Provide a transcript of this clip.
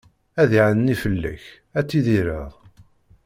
Ad iɛenni fell-ak, ad tidireḍ.